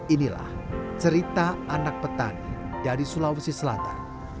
inilah cerita anak petani dari sulawesi selatan